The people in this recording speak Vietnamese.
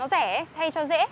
nó rẻ hay cho dễ